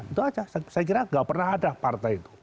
itu saja saya kira nggak pernah ada partai itu